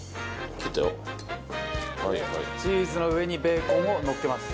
切ったよ。でチーズの上にベーコンをのっけます。